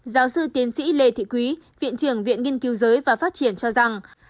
giáo sư tiến sĩ lê thị quý viện trưởng viện nghiên cứu giới và phát triển cho rằng